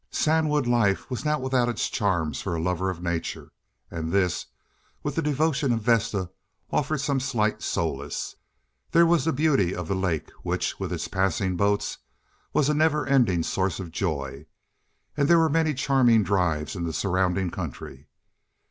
Sandwood life was not without its charms for a lover of nature, and this, with the devotion of Vesta, offered some slight solace. There was the beauty of the lake, which, with its passing boats, was a never ending source of joy, and there were many charming drives in the surrounding country.